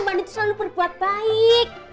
mbak andi tuh selalu berbuat baik